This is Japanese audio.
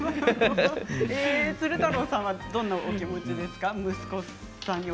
鶴太郎さんはどんなお気持ちですか？